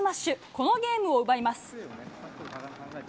このゲームを奪います。